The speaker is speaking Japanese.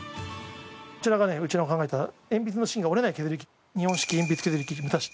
こちらが、うちの考えた鉛筆の芯が折れない削り器日本式鉛筆削り６３４。